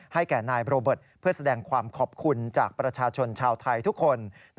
แก่นายโรเบิร์ตเพื่อแสดงความขอบคุณจากประชาชนชาวไทยทุกคน